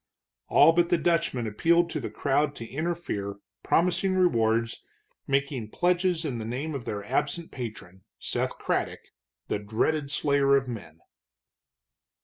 All but the Dutchman appealed to the crowd to interfere, promising rewards, making pledges in the name of their absent patron, Seth Craddock, the dreaded slayer of men.